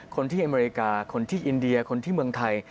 คนที่อเมริกาคนที่อินเดียคนที่เมืองไทย